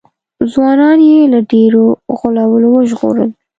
ځوانان یې له ډېرو غولو وژغورل.